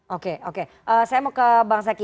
oke oke saya mau ke bang zaky